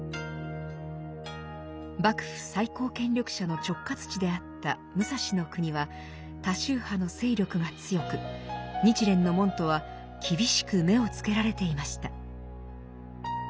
幕府最高権力者の直轄地であった武蔵国は他宗派の勢力が強く日蓮の門徒は厳しく目をつけられていました。